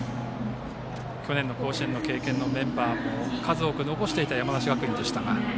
去年の甲子園を経験したメンバーも数多く残していた山梨学院でした。